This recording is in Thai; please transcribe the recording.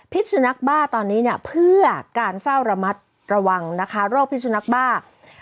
สุนัขบ้าตอนนี้เนี่ยเพื่อการเฝ้าระมัดระวังนะคะโรคพิสุนักบ้า